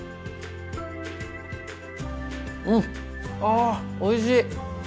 うんあおいしい！